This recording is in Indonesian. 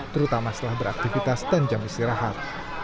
terutama setelah beraktivitas dan jam istirahat